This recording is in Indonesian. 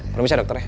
permisi dokter ya